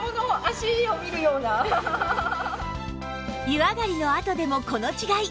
湯上がりのあとでもこの違い